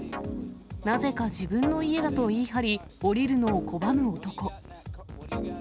なぜか自分の家だと言い張り、降りるのを拒む男。